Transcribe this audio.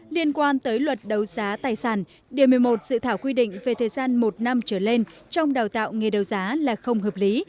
liên quan tới luật đấu giá tài sản điều một mươi một dự thảo quy định về thời gian một năm trở lên trong đào tạo nghề đấu giá là không hợp lý